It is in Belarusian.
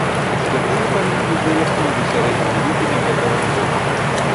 Экспертызы павінны быць завершаны да сярэдзіны ліпеня гэтага года.